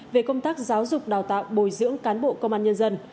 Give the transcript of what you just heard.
về công tác giáo dục đào tạo bồi dưỡng cán bộ công an nhân dân